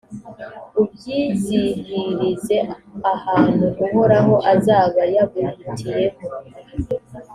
ubyizihirize ahantu uhoraho azaba yaguhitiyemo,